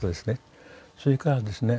それからですね